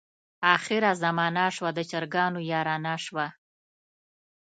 اخره زمانه شوه د چرګانو یارانه شوه.